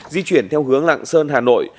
di chuyển theo hướng lạng sơn hà nội